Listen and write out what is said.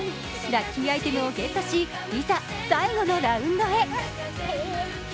ラッキーアイテムをゲットし、いざ最後のラウンドへ。